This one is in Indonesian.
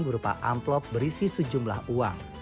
berupa amplop berisi sejumlah uang